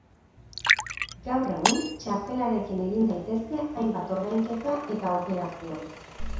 Gaur egun, txartelarekin egin daitezke hainbat ordainketa eta operazio.